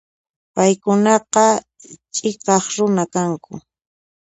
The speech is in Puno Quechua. Paykunaqa chhiqaq runa kanku.